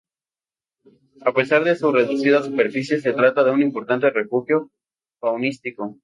A pesar de su reducida superficie, se trata de un importante refugio faunístico.